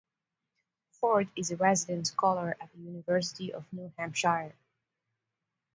Ford is a resident scholar at the University of New Hampshire.